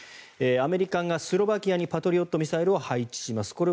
アメリカがスロバキアにパトリオットミサイルを配置します。